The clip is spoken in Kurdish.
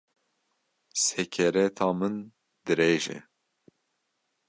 Sekereta min dirêj e